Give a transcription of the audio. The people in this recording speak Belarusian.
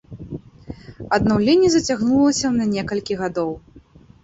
Аднаўленне зацягнулася на некалькі гадоў.